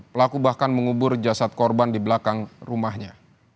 pelaku bahkan mengubur jasad korban di belakang rumahnya